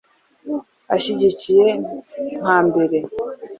Ashyigikiye nka mbere